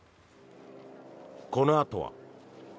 このあとは。